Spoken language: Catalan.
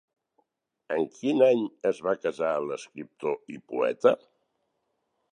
En quin any es va casar l'escriptor i poeta?